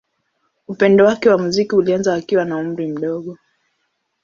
Upendo wake wa muziki ulianza akiwa na umri mdogo.